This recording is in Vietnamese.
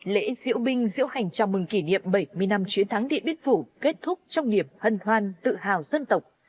lễ diễu binh diễu hành chào mừng kỷ niệm bảy mươi năm chiến thắng điện biên phủ kết thúc trong niềm hân hoan tự hào dân tộc